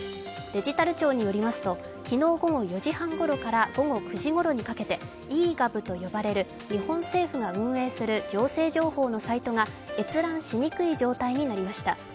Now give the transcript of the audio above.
デジタル庁によりますと昨日午後４時半ごろから午後９時ごろにかけてｅ−Ｇｏｖと呼ばれる日本政府が運営する行政情報のサイトが閲覧しにくい状態になりました。